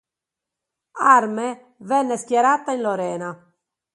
Armee venne schierata in Lorena.